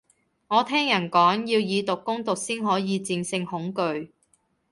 我聽人講，要以毒攻毒先可以戰勝恐懼